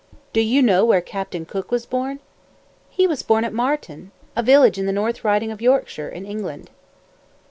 "Do you know where Captain Cook was born?" "He was born at Marton, a village in the North Riding of Yorkshire, in England."